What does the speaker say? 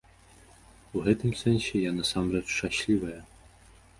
У гэтым сэнсе я насамрэч шчаслівая.